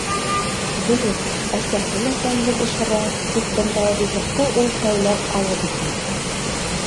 Дөрөҫ, әсәһе лә тәмле бешерә, тик бындай ризыҡты ул тәүләп ауыҙ итә.